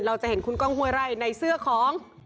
เราจะเห็นคุณก้องห้วยไร่ในเสื้อของ